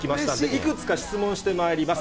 いくつか質問してまいります。